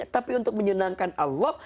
tapi untuk menyenangkan allah